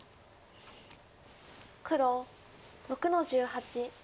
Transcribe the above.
黒６の十八。